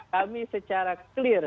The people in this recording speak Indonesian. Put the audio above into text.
kami secara clear